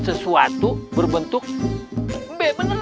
sesuatu berbentuk bebeneran